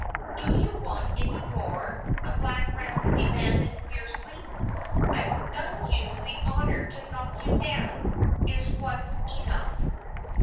"Do you want any more?" the black ram demanded fiercely. "I've done you the honor to knock you down. Is once enough?"